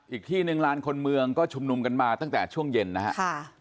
อีกที่หนึ่งลานคนเมืองก็ชุมนุมกันมาตั้งแต่ช่วงเย็นนะครับ